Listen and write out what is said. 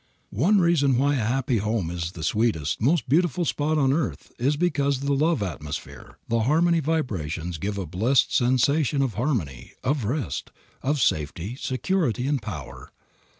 One reason why a happy home is the sweetest, most beautiful spot on earth is because the love atmosphere, the harmony vibrations give a blessed sensation of harmony, of rest, of safety, security and power.